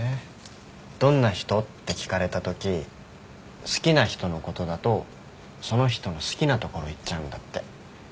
「どんな人？」って聞かれたとき好きな人のことだとその人の好きなところ言っちゃうんだって。